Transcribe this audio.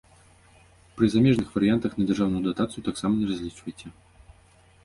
Пры замежных варыянтах на дзяржаўную датацыю таксама не разлічвайце.